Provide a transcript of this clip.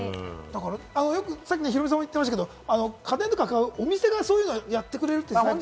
ヒロミさんも言ってましたけど、家電とか買う、お店がそういうのやってくれるっていうね。